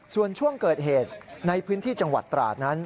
ส่วนช่วงเกิดเหตุในพื้นที่จังหวัดตราดนั้น